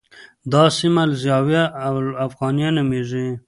دا سیمه الزاویة الافغانیه نومېږي.